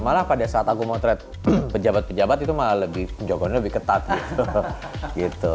malah pada saat aku motret pejabat pejabat itu malah lebih jokonya lebih ketat gitu